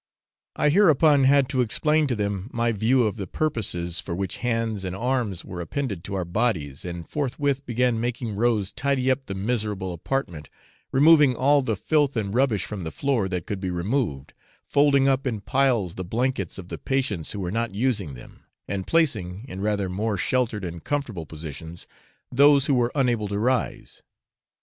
I hereupon had to explain to them my view of the purposes for which hands and arms were appended to our bodies, and forthwith began making Rose tidy up the miserable apartment, removing all the filth and rubbish from the floor that could be removed, folding up in piles the blankets of the patients who were not using them, and placing, in rather more sheltered and comfortable positions, those who were unable to rise.